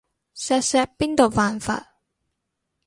錫錫邊度犯法